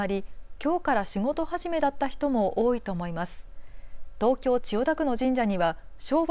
きょうから仕事始めだった人も多いと思います。